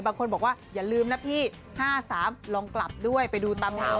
บางคนบอกว่าอย่าลืมนะพี่๕๓ลองกลับด้วยไปดูตามงาน